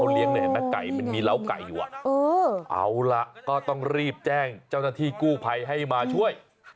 เห็นไหมไก่มันมีเล้าไก่อยู่เอาล่ะก็ต้องรีบแจ้งเจ้าหน้าที่กู้ภัยให้มาช่วย